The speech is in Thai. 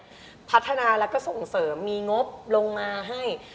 ก็พัฒนาแล้วก็ส่งเสริมมีงบลงมาให้